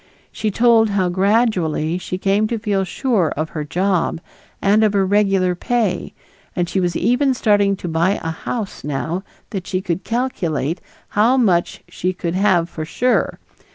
She told how gradually she came to feel sure of her job and of her regular pay, and she was even starting to buy a house now that she could "calculate" how much she "could have for sure."